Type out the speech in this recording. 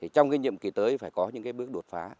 trong nhiệm kỳ tới phải có những bước đột phá